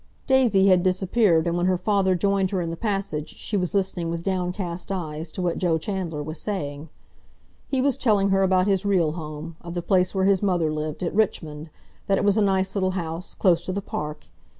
Daisy had disappeared, and when her father joined her in the passage she was listening, with downcast eyes, to what Joe Chandler was saying. He was telling her about his real home, of the place where his mother lived, at Richmond—that it was a nice little house, close to the park.